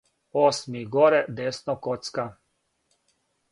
осми горе десно коцка